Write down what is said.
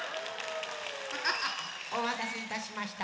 おまたせいたしました。